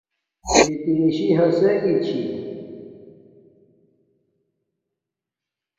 فتیسی ھسگی چھی